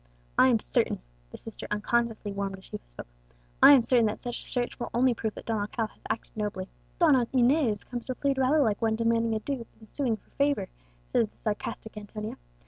I am certain" the sister unconsciously warmed as she spoke "I am certain that such search will only prove that Don Alcala has acted nobly." "Donna Inez comes to plead rather like one demanding a due than suing for a favour," said the sarcastic Antonia.